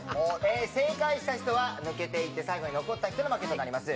正解した人は抜けていって最後に残った人が負けとなります。